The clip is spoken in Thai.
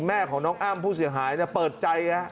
แม่ของน้องอ้ำผู้เสียหายเปิดใจ